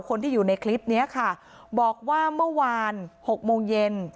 คนที่อยู่ในคลิปนี้ค่ะบอกว่าเมื่อวาน๖โมงเย็น